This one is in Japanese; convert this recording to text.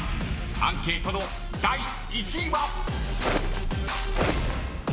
［アンケートの第１位は］